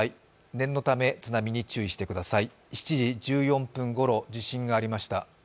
念のため津波に注意してください。